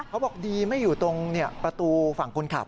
เขาบอกดีไม่อยู่ตรงประตูฝั่งคนขับ